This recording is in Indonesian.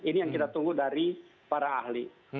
ini yang kita tunggu dari para ahli